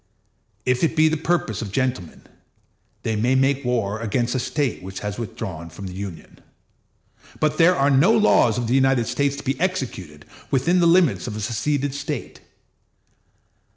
If it be the purpose of gentlemen, they may make war against a State which has withdrawn from the Union; but there are no laws of the United States to be executed within the limits of a seceded State.